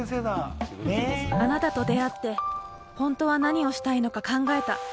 あなたと出会って、本当は何をしたいのか考えた。